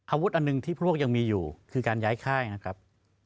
อันหนึ่งที่พวกยังมีอยู่คือการย้ายค่ายนะครับ